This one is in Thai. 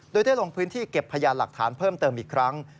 โดยได้ลงพื้นที่เก็บพยานหลักฐานเพิ่มเติมอีกครั้ง